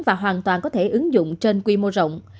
và hoàn toàn có thể ứng dụng trên quy mô rộng